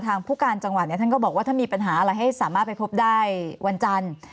ผู้การจังหวัดเนี่ยท่านก็บอกว่าถ้ามีปัญหาอะไรให้สามารถไปพบได้วันจันทร์